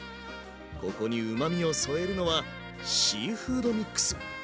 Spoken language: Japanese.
ここにうまみを添えるのはシーフードミックス。